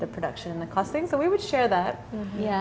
produksi dan costing jadi kita akan berbagi tentang itu